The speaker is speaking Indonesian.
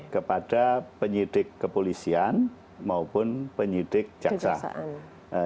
kepada penyidik kepolisian maupun penyidik jaksa